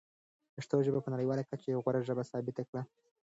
پښتو ژبه په نړیواله کچه یوه غوره ژبه ثابته کړئ.